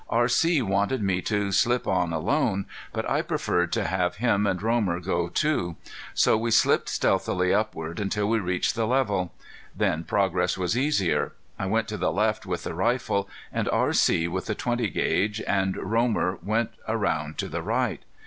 R.C. wanted me to slip on alone, but I preferred to have him and Romer go too. So we slipped stealthily upward until we reached the level. Then progress was easier. I went to the left with the rifle, and R.C. with the .20 gauge, and Romer, went around to the right.